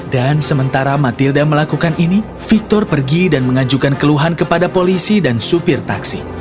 dan sementara matilda melakukan ini victor pergi dan mengajukan keluhan kepada polisi dan supir taksi